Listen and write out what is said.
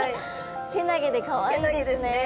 けなげでかわいいですね。